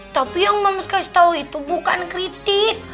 tapi yang moms kasih tau itu bukan kritik